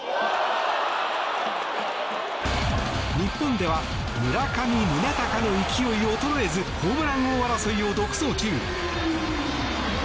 日本では村上宗隆の勢い衰えずホームラン王争いを独走中。